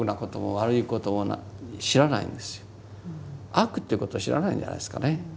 悪ということを知らないんじゃないですかね。